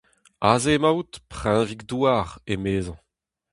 Aze emaout, preñvig-douar, emezañ.